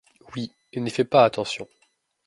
Oui, n'y fais pas attention.